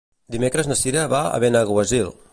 Dimecres na Cira va a Benaguasil.